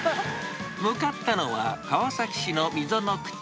向かったのは、川崎市のみぞのくち。